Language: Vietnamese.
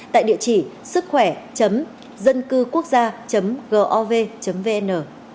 tại địa chỉ sứckhoẻ dâncưquốc gia gov vn